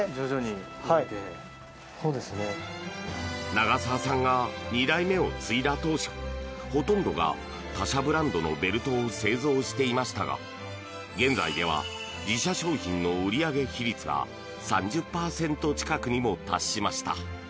長澤さんが２代目を継いだ当初ほとんどが他社ブランドのベルトを製造していましたが現在では、自社商品の売上比率が３０％近くにも達しました。